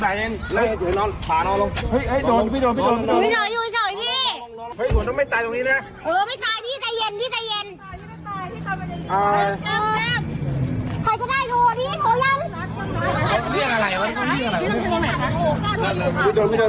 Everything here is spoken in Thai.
พี่ต้องเรียกอะไรพี่ต้องเรียกอะไร